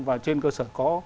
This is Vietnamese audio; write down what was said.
và trên cơ sở có